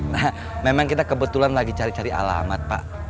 nah memang kita kebetulan lagi cari cari alamat pak